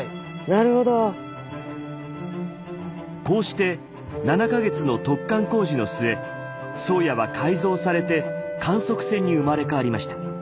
こうして７か月の突貫工事の末「宗谷」は改造されて観測船に生まれ変わりました。